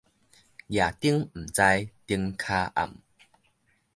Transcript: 攑燈毋知燈跤暗